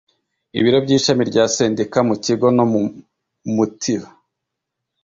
ibiro by ishami rya sendika mu kigo no mu mutiba